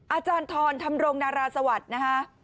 อาจารย์ทรธรรมรงนาราสวัสดิ์นะคะ